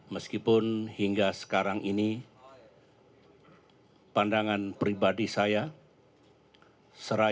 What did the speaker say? meskipun hingga sekarang ini pandangan pribadi saya seraya menghormati proses demokrasi